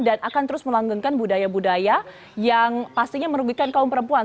dan akan terus melanggengkan budaya budaya yang pastinya merugikan kaum perempuan